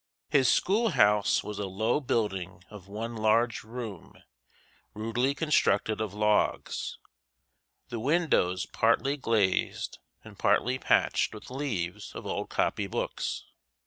His school house was a low building of one large room, rudely constructed of logs, the windows partly glazed and partly patched with leaves of old copybooks.